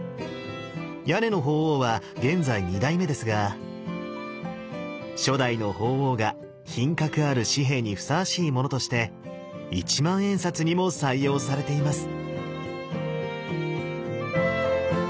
屋根の鳳凰は現在２代目ですが初代の鳳凰が品格ある紙幣にふさわしいものとして一万円札にも採用されています。